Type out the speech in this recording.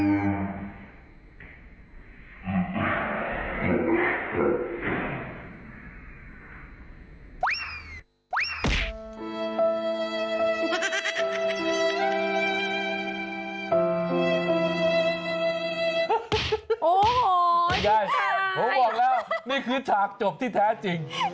ผมบอกแล้วนี่คือฉากจบที่แท้จริง